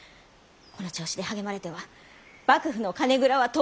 この調子で励まれては幕府の金蔵は到底もちませぬ！